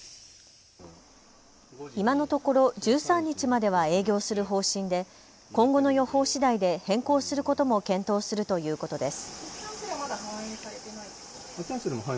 今のところ１３日までは営業する方針で今後の予報しだいで変更することも検討するということです。